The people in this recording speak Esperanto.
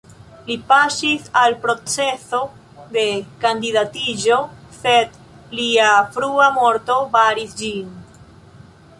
Li paŝis al procezo de kandidatiĝo, sed lia frua morto baris ĝin.